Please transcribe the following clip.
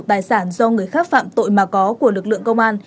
tài sản do người khác phạm tội mà có của lực lượng công an